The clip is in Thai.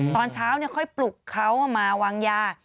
ตอนเช้าค่อยปลุกเขามาวางยา